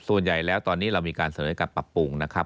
ส่วนใหญ่แล้วตอนนี้เรามีการเสนอการปรับปรุงนะครับ